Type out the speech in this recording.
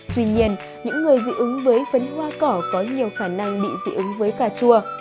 tuy nhiên những người dị ứng với phấn hoa cỏ có nhiều khả năng bị dị ứng với cà chua